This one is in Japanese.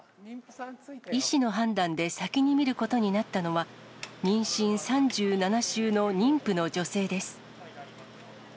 医師の判断で先に診ることになったのは、妊娠３７週の妊婦の女性です。